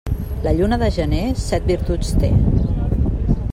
La lluna de gener set virtuts té.